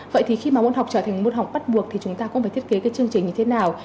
vậy thì khi mà môn học trở thành môn học bắt buộc thì chúng ta cũng phải thiết kế cái chương trình như thế nào